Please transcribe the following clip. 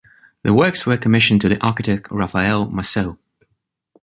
The works were commissioned to the architect Raphael Masó.